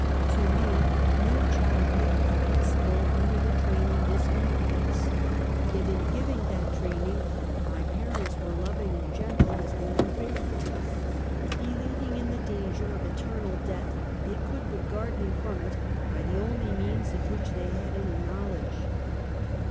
To me, no childhood was possible under the training this indicates, yet in giving that training, my parents were loving and gentle as they were faithful. Believ ing in the danger of eternal death, they could but guard me from it, by the only means of which they had any knowledge.